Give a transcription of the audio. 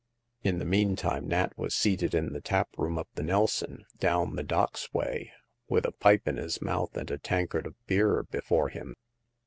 In the meantime, Nat was seated in the tap room of the Nelson, down the docks way, with a pipe, in his mouth and a tankard of beer before him.